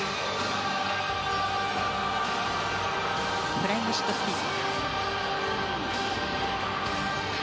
フライングシットスピン。